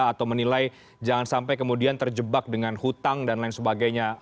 atau menilai jangan sampai kemudian terjebak dengan hutang dan lain sebagainya